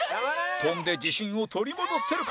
跳んで自信を取り戻せるか？